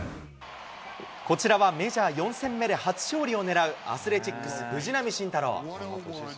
こちらはメジャー４戦目で初勝利を狙うアスレチックス、藤浪晋太郎。